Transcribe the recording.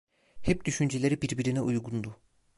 Hep düşünceleri birbirine uygundu.